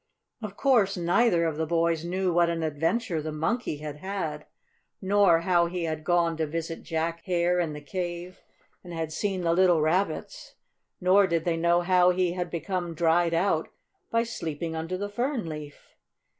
Of course neither of the boys knew what an adventure the Monkey had had, nor how he had gone to visit Jack Hare in the cave, and had seen the little Rabbits. Nor did they know how he had become dried out by sleeping under the fern leaf.